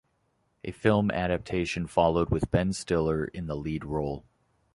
A film adaptation followed with Ben Stiller in the lead role.